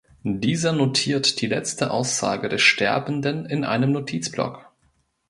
Dieser notiert die letzte Aussage des Sterbenden in einem Notizblock.